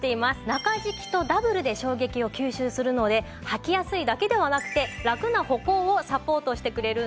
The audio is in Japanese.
中敷きとダブルで衝撃を吸収するので履きやすいだけではなくてラクな歩行をサポートしてくれるんです。